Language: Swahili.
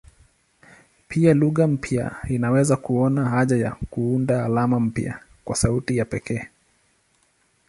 Pia lugha mpya iliweza kuona haja ya kuunda alama mpya kwa sauti ya pekee.